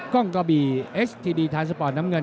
กล้องกะบี่เอ็กซ์ทีดีทานสปอร์ตน้ำเงิน